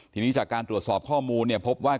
ทีนี้จากการตรวจสอบข้อมูลเนี่ยพบว่า